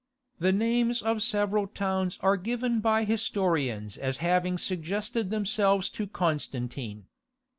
The names of several towns are given by historians as having suggested themselves to Constantine.